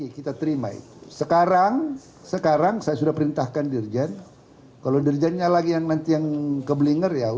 kita terima itu sekarang saya sudah perintahkan dirjen